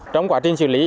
trong quá trình xử lý